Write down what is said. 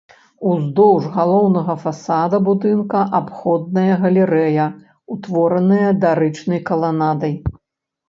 Уздоўж галоўнага фасада будынка абходная галерэя, утвораная дарычнай каланадай.